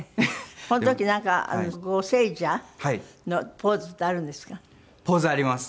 この時なんか『ゴセイジャー』のポーズってあるんですか？